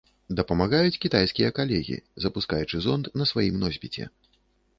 Дапамагаюць кітайскія калегі, запускаючы зонд на сваім носьбіце.